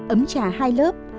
ấm trà hai lớp